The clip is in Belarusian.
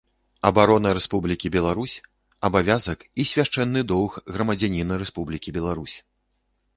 Абарона Рэспублікі Беларусь — абавязак і свяшчэнны доўг грамадзяніна Рэспублікі Беларусь.